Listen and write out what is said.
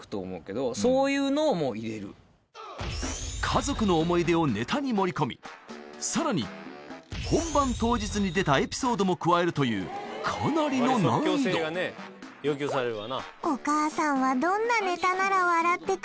家族の思い出をネタに盛り込みさらに本番当日に出たエピソードも加えるというかなりの難易度っていう車屋なんだけど。